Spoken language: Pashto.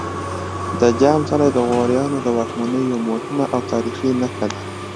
د جام څلی د غوریانو د واکمنۍ یوه مهمه او تاریخي نښه ده